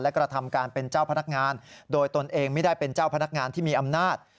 และกระทำการเป็นเจ้าพนักงานโดยตนเองไม่ได้เป็นเจ้าพนักงานที่มีอำนาจ